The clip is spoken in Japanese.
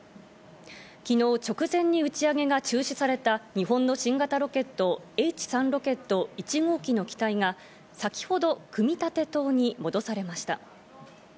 昨日、直前に打ち上げが中止された日本の新型ロケット、Ｈ３ロケット１号機の機体が先ほど組み立て棟に戻されました。